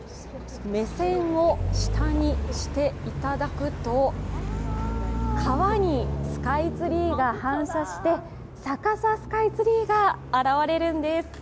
目線を下にしていただくと川にスカイツリーが反射して逆さスカイツリーが現れるんです。